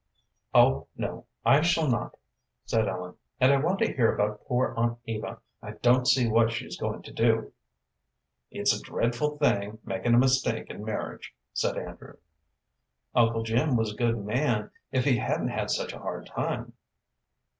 "Oh no, I shall not," said Ellen, "and I want to hear about poor Aunt Eva. I don't see what she is going to do." "It's a dreadful thing makin' a mistake in marriage," said Andrew. "Uncle Jim was a good man if he hadn't had such a hard time."